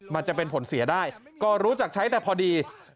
มันจะเป็นผลเสียได้ก็รู้จักใช้แต่พอดี